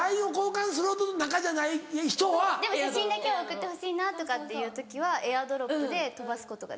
でも写真だけは送ってほしいなとかっていう時はＡｉｒＤｒｏｐで飛ばすことができる。